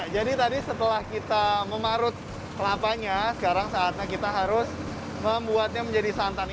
jadi tadi setelah kita memarut kelapanya sekarang saatnya kita harus membuatnya menjadi santan ini